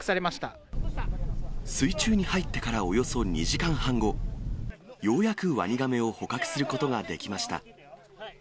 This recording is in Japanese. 水中に入ってからおよそ２時間半後、ようやくワニガメを捕獲することができました。